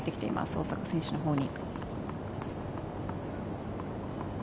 大坂選手のほうに。